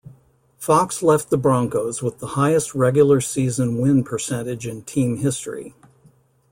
Fox left the Broncos with the highest regular season win percentage in team history.